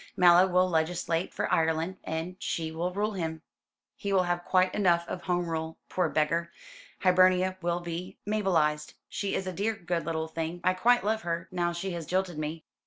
"Mallow will legislate for Ireland, and she will rule him. He will have quite enough of Home Rule, poor beggar. Hibernia will be Mabelised. She is a dear good little thing. I quite love her, now she has jilted me."